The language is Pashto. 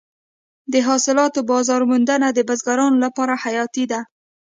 د حاصلاتو بازار موندنه د بزګرانو لپاره حیاتي ده.